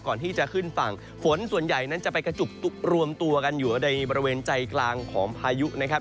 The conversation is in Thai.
ก่อนที่จะขึ้นฝั่งฝนส่วนใหญ่นั้นจะไปกระจุกรวมตัวกันอยู่ในบริเวณใจกลางของพายุนะครับ